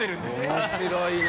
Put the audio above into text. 面白いね。